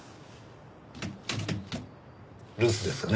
留守ですかね。